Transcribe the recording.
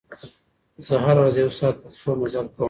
زه هره ورځ یو ساعت په پښو مزل کوم.